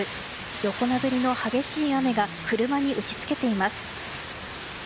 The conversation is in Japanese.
横殴りの激しい雨が車に打ち付けています。